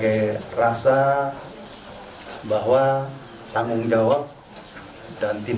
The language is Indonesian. dan juga presiden kepala lembapnuragoseng juga telah melihat hal berikut